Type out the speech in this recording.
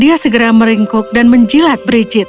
dia segera meringkuk dan menjilat brigit